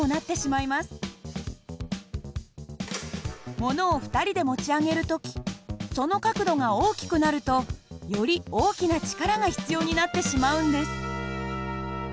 ものを２人で持ち上げる時その角度が大きくなるとより大きな力が必要になってしまうんです。